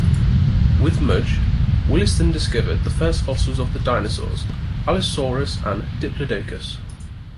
With Mudge, Williston discovered the first fossils of the dinosaurs "Allosaurus" and "Diplodocus".